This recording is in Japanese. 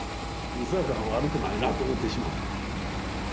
そやから悪くないなと思うてしまう。